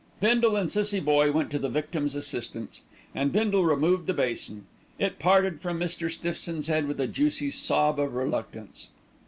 Bindle and Cissie Boye went to the victim's assistance, and Bindle removed the basin. It parted from Mr. Stiffson's head with a juicy sob of reluctance.